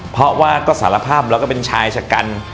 เพราะว่าก็สารภาพแล้วก็เป็นชายชะกัน